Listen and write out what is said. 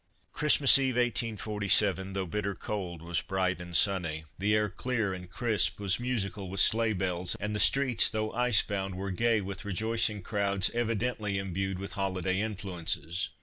Christmas Eve, 1847, though bitter cold, was bright and' sunny, the air clear and crisp was musi 56 l\ ttoiicii Christmas Tree cal with sleigh bells, and the streets, though ice bound, were gay with rejoicing crowds evidently imbued with holiday influences.